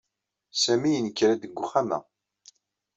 Sami yenker-d deg uxxam-a.